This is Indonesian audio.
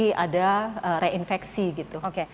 terbukti ada reinfeksi gitu